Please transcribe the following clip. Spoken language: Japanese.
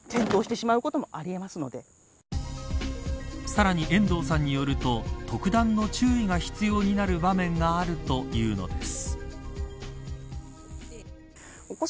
さらに遠藤さんによると特段の注意が必要になる場面があるというのです。